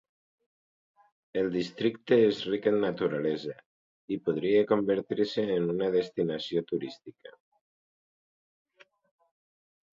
El districte és ric en naturalesa i podria convertir-se en una destinació turística.